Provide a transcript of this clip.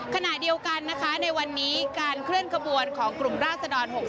ขณะเดียวกันนะคะในวันนี้การเคลื่อนขบวนของกลุ่มราศดร๖๓